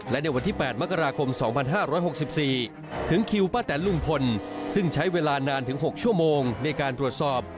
และในวันที่๘มกราคม๒๕๖๔ถึงคิวป้าแตนลุงพลซึ่งใช้เวลานานถึง๖ชั่วโมงในการตรวจสอบ